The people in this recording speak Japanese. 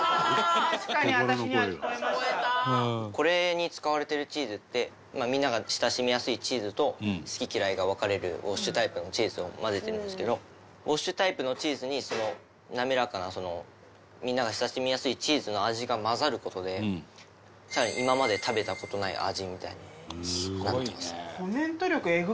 これに使われてるチーズってみんなが親しみやすいチーズと好き嫌いが分かれるウォッシュタイプのチーズを混ぜてるんですけどウォッシュタイプのチーズに滑らかなみんなが親しみやすいチーズの味が混ざる事で更に今まで食べた事ない味みたいになってます。